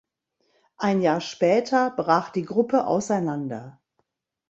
Ein Jahr später brach die Gruppe auseinander.